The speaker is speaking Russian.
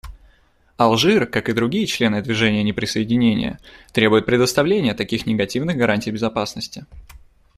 Алжир, как и другие члены Движения неприсоединения, требует предоставления таких негативных гарантий безопасности.